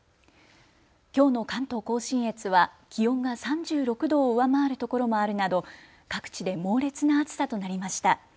きょうの関東甲信越は気温が３６度を上回るところもあるなど各地で猛烈な暑さとなりました。